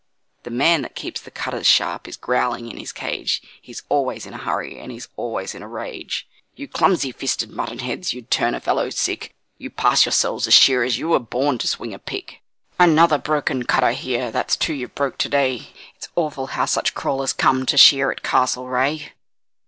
The man that keeps the cutters sharp is growling in his cage, He's always in a hurry and he's always in a rage 'You clumsy fisted mutton heads, you'd turn a fellow sick, You pass yourselves as shearers, you were born to swing a pick. Another broken cutter here, that's two you've broke to day, It's awful how such crawlers come to shear at Castlereagh.'